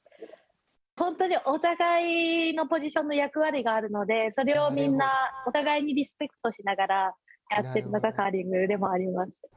本当にお互いのポジションの役割があるのでそれをみんな、お互いにリスペクトしながらやっているのがカーリングでもあります。